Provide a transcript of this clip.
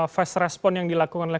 fast respon yang dilakukan oleh